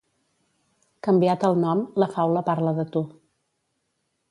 Canviat el nom, la faula parla de tu.